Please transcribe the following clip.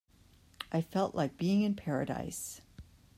I felt like being in paradise.